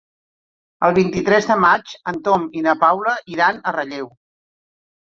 El vint-i-tres de maig en Tom i na Paula iran a Relleu.